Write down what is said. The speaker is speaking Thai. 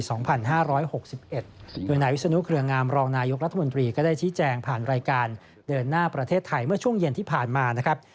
โดยนายวิศนุเครืองามรองนายกรัฐมนตรีก็ได้ชี้แจงผ่านรายการเดินหน้าประเทศไทยเมื่อช่วงเย็นที่ผ่านมานะครับ